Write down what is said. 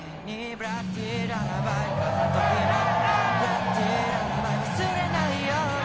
ブラッディ・ララバイ忘れないように